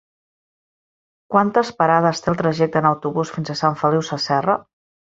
Quantes parades té el trajecte en autobús fins a Sant Feliu Sasserra?